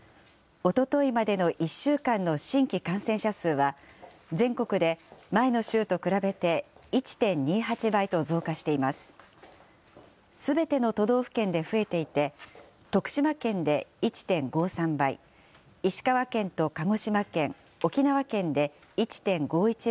おとといまでの１週間の新規感染者数は、全国で前の週と比べて１．２８倍と増加しています。